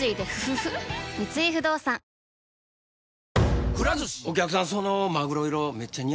三井不動産いい